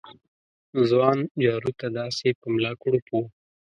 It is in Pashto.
ځوان جارو ته داسې په ملا کړوپ و